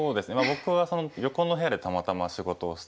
僕は横の部屋でたまたま仕事をしていて。